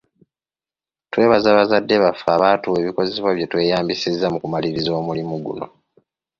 Twebaza bazadde baffe abaatuwa ebikozesebwa bye tweyambisizza okumaliriza omulimu guno.